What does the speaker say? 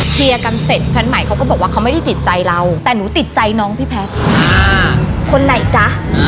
เคลียร์กันเสร็จแฟนใหม่เขาก็บอกว่าเขาไม่ได้ติดใจเราแต่หนูติดใจน้องพี่แพทย์คนไหนจ๊ะ